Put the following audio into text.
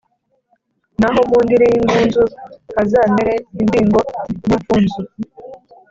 naho mu ndiri y’ingunzu, hazamere imbingo n’imfunzo.